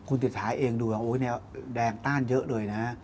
คุณศิษยาเองดูแล้วโอ๊ยแดงต้านเยอะเลยนะ